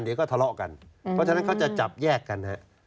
เดี๋ยวก็ทะเลาะกันเพราะฉะนั้นเขาจะจับแยกกันฮะ